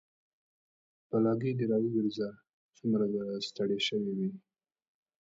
بلاګي د راوګرځه سومره به ستړى شوى وي